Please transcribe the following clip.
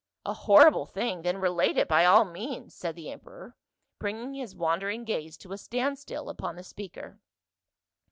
"A horrible thing? then relate it, by all means," said the emperor, bringing his wandering gaze to a standstill upon the speaker.